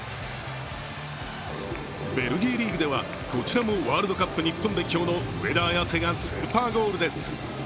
ベルギーリーグではこちらもワールドカップ日本代表の上田綺世がスーパーゴールです。